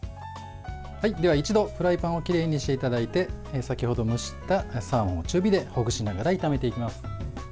一度、フライパンをきれいにしていただいて先ほど蒸したサーモンを中火でほぐしながら炒めていきます。